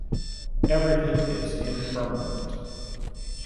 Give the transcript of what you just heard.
Everything is Impermanent.